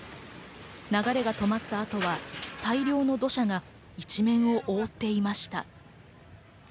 流れが止まった後は大量の土砂が一面を覆っていました。